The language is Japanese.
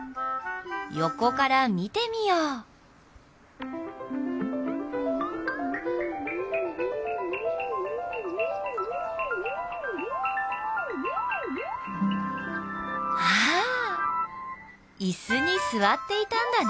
横から見てみようあっ椅子に座っていたんだね